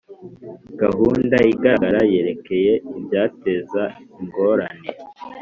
Gahunda igaragara yerekeye ibyateza ingorane